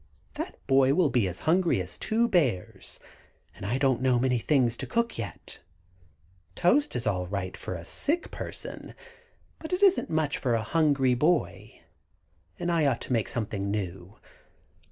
"That boy will be as hungry as two bears, and I don't know many things to cook yet. Toast is all right for a sick person, but it isn't much for a hungry boy, and I ought to make something new.